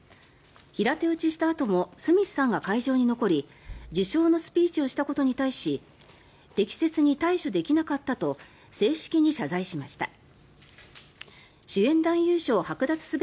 平手打ちしたあともスミスさんが会場に残り受賞のスピーチをしたことに対し適切に対処できなかったと正式に謝罪しました。